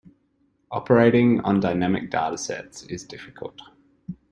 Operating on dynamic data sets is difficult.